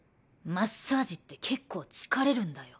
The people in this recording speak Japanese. マッサージって結構疲れるんだよ。